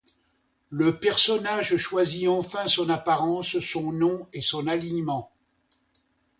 Le personnage choisit enfin son apparence, son nom et son alignement.